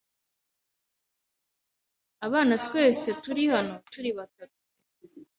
Mu bwigunge bw'inyanja